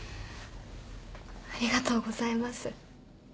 ありがとうございます。